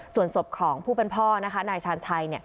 ส่วนศพของผู้เป็นพ่อนะคะนายชาญชัย